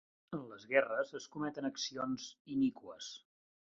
En les guerres es cometen accions iniqües.